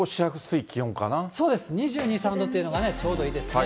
そうです、２２、３度というのがちょうどいいですね。